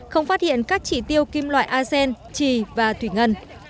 không phát hiện các chỉ tiêu kim loại argen trì và thủy ngân